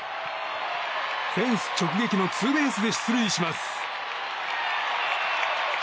フェンス直撃のツーベースで出塁します。